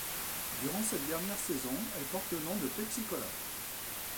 Durant cette dernière saison, elle porte le nom de Pepsi-Cola.